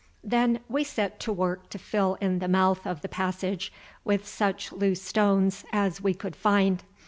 Then we set to work to fill in the mouth of the passage with such loose stones as we could find.